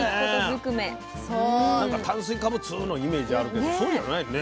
なんか炭水化物のイメージあるけどそうじゃないのね。